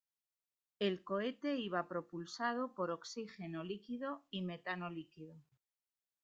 El cohete iba propulsado por oxígeno líquido y metano líquido.